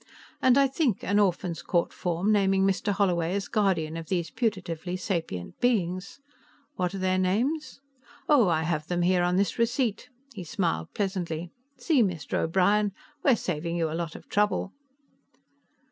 And, I think, an Orphans' Court form naming Mr. Holloway as guardian of these putatively sapient beings. What are their names? Oh, I have them here on this receipt." He smiled pleasantly. "See, Mr. O'Brien, we're saving you a lot of trouble."